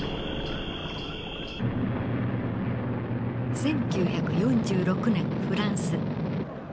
１９４６年フランス。